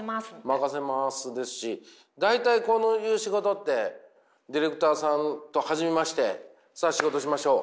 任せますですし大体こういう仕事ってディレクターさんと初めましてさあ仕事しましょう